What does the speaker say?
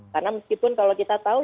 karena meskipun kalau kita tahu